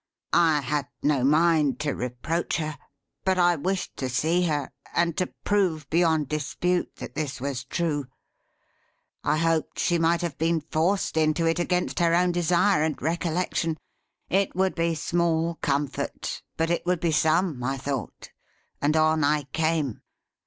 I had no mind to reproach her; but I wished to see her, and to prove beyond dispute that this was true. I hoped she might have been forced into it, against her own desire and recollection. It would be small comfort, but it would be some, I thought: and on I came.